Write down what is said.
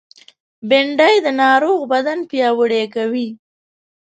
بېنډۍ د ناروغ بدن پیاوړی کوي